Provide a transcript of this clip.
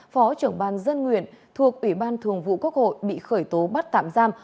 phó trưởng ban dân nguyện thuộc ủy ban thường vụ quốc hội bị khởi tố bắt tạm giam